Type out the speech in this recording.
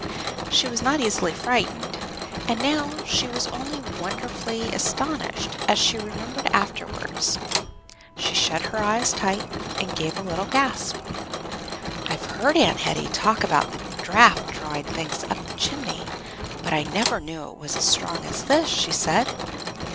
She was not easily frightened; and now she was only wonderfully astonished, as she remembered afterwards. She shut her eyes tight and gave a little gasp. "I've heard Aunt Hetty talk about the draught drawing things up the chimney, but I never knew it was as strong as this," she said.